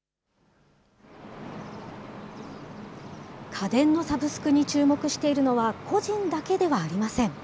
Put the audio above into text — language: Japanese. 家電のサブスクに注目しているのは、個人だけではありません。